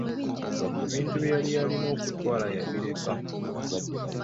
Ebintu bye yali alina okutwala yabireka.